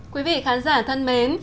quý vị khán giả thân mến